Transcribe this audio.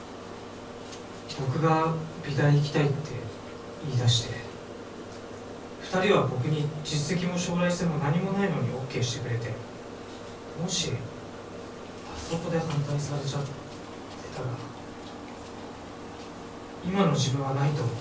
僕が美大行きたいって言いだして２人は僕に実績も将来性も何もないのにＯＫしてくれてもしあそこで反対されちゃってたら今の自分はないと思う。